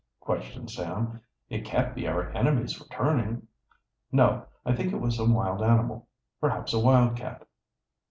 questioned Sam. "It can't be our enemies returning." "No, I think it was some wild animal perhaps a wildcat."